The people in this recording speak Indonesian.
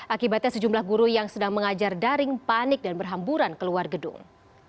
akibatnya sejumlah guru yang sedang mengajar daring panik dan berhamburan keluar gedung